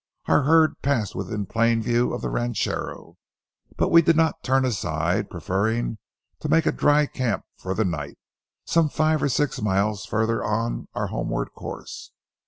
Our herd passed within plain view of the rancho, but we did not turn aside, preferring to make a dry camp for the night, some five or six miles further on our homeward course.